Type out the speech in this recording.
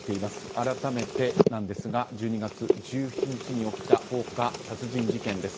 改めてですが１２月１７日に起きた放火殺人事件です。